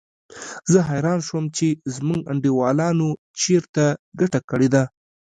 زه حیران شوم چې زموږ انډیوالانو چېرته ګټه کړې ده.